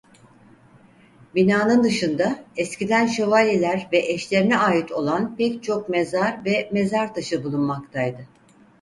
Binanın dışında eskiden şövalyeler ve eşlerine ait olan pek çok mezar ve mezar taşı bulunmaktaydı.